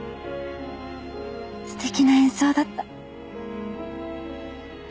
すてきな演奏だった。